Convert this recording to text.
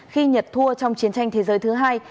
khi nhật thua trong chiến tranh thế giới thứ hai